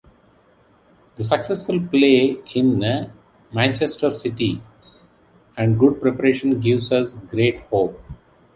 The successful play in “””Manchester city””, and good preparation gives us great hope.